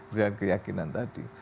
dan keyakinan tadi